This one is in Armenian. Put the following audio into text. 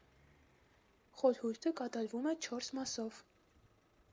Խորհուրդը կատարվում է չորս մասով։